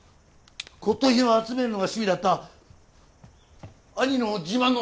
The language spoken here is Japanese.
骨董品を集めるのが趣味だった兄の自慢のお宝。